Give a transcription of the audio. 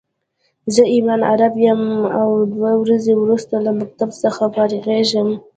زه عمران عرب يم او دوه ورځي وروسته له مکتب څخه فارغيږم